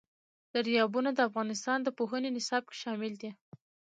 دریابونه د افغانستان د پوهنې نصاب کې شامل دي.